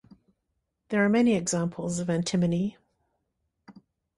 There are many examples of antinomy.